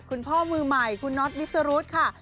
คุณพ่อมือใหม่คุณน็อตวิสรุธค่ะ